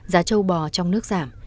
giá trâu bò trong nước giảm